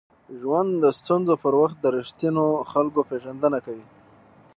ژوند د ستونزو پر وخت د ریښتینو خلکو پېژندنه کوي.